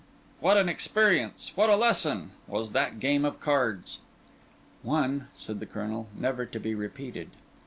What an experience, what a lesson, was that game of cards!" "One," said the Colonel, "never to be repeated."